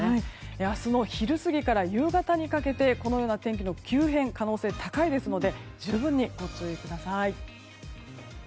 明日の昼過ぎから夕方にかけてこのような天気の急変の可能性が高いですので十分にご注意ください。